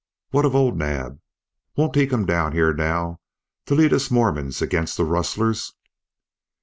"What of old Naab? Won't he come down here now to lead us Mormons against the rustlers?"